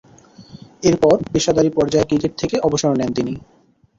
এরপর, পেশাদারী পর্যায়ের ক্রিকেট থেকে অবসর নেন তিনি।